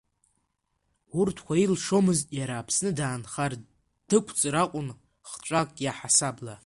Урҭқәа илшомызт иара Аԥсны даанхар, дықәҵыр акәын хҵәак иаҳасабала.